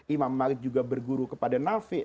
imam malik juga berguru kepada nafi